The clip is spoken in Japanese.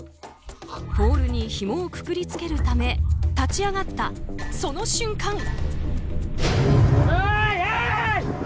ポールにひもをくくりつけるため立ち上がった、その瞬間。